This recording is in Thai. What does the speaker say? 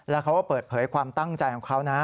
แล้วเขาก็เปิดเผยความตั้งใจของเขานะ